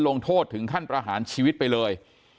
ลงโทษถึงขั้นประหารชีวิตไปเลย